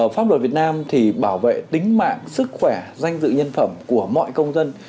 pháp luật việt nam thì bảo vệ tính mạng sức khỏe danh dự nhân phẩm của mọi công dân